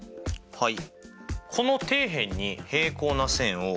はい。